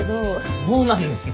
そうなんですね。